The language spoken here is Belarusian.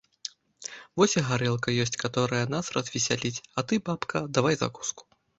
Вось і гарэлка ёсць, каторая нас развесяліць, а ты, бабка, давай закуску.